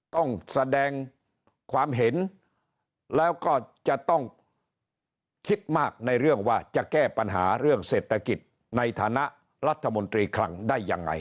ต้องแสดงความเห็นแล้วก็จะต้องคิดมากในเรื่องว่าจะแก้ปัญหาเรื่องเศรษฐกิจในฐานะรัฐมนตรีคลังได้ยังไง